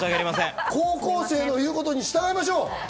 高校生の言うことに従いましょう。